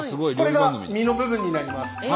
これが身の部分になります。